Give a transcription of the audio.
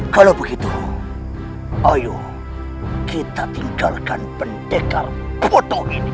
kalau begitu ayo kita tinggalkan pendekar foto ini